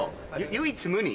「唯一無二」？